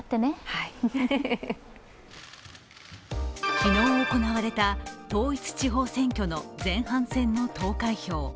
昨日行われた統一地方選挙の前半戦の投開票。